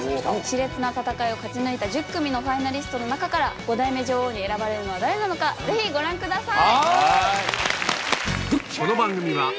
熾烈な戦いを勝ち抜いた１０組のファイナリストの中から５代目女王に選ばれるのは誰なのか⁉ぜひご覧ください。